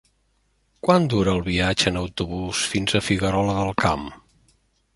Quant dura el viatge en autobús fins a Figuerola del Camp?